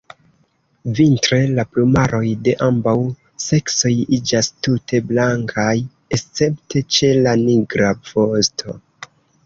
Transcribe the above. Vintre la plumaroj de ambaŭ seksoj iĝas tute blankaj, escepte ĉe la nigra vosto.